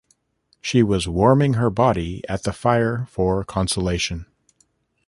She was warming her body at the fire for consolation.